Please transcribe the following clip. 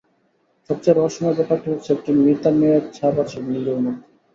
সবচেয়ে রহস্যময় ব্যাপারটি হচ্ছে, একটি মৃতা মেয়ের ছাপ আছে নীলুর মধ্যে।